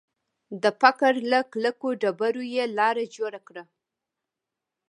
د فقر له کلکو ډبرو یې لاره جوړه کړه